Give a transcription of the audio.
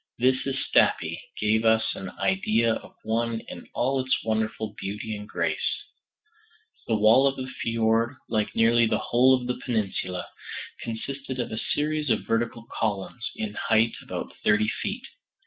This at Stapi gave us an idea of one in all its wonderful beauty and grace. The wall of the fjord, like nearly the whole of the peninsula, consisted of a series of vertical columns, in height about thirty feet.